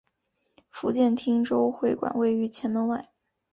福建汀州会馆位于前门外。